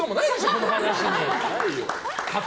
この話に。